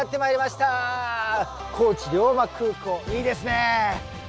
高知龍馬空港いいですね！